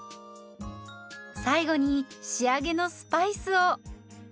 最後に仕上げのスパイスを。